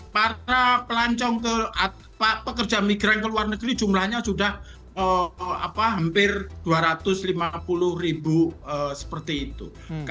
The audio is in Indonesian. para pelancong ke pekerja migran ke luar negeri jumlahnya sudah hampir dua ratus lima puluh ribu seperti itu